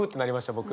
僕。